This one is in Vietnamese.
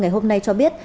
ngày hôm nay cho biết